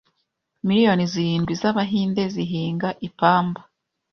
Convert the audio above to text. Miliyoni zirindwi z’abahinde zihinga ipamba.